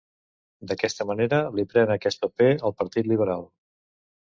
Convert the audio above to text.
D'aquesta manera li pren aquest paper al Partit Liberal.